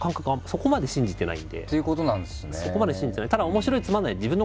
そこまで信じてない。